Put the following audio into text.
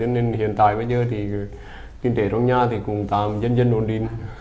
nên hiện tại bây giờ thì kinh tế trong nhà thì cũng tạm dân dân luôn đi